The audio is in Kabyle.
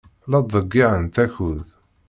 La ttḍeyyiɛent akud.